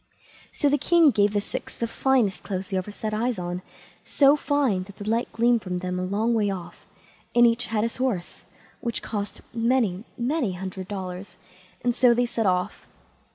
So the king gave the six the finest clothes you ever set eyes on, so fine that the light gleamed from them a long way off, and each had his horse, which cost many, many hundred dollars, and so they set off.